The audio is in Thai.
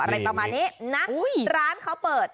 อะไรประมาณนี้นะร้านเขาเปิด